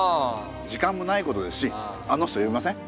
時間もないことですしあの人呼びません？